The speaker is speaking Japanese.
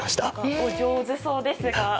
お上手そうですが。